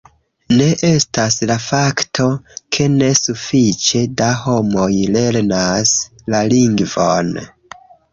Ne estas la fakto, ke ne sufiĉe da homoj lernas la lingvon.